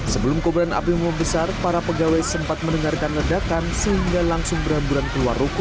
sebelum kobaran api membesar para pegawai sempat mendengarkan ledakan sehingga langsung berhamburan keluar ruko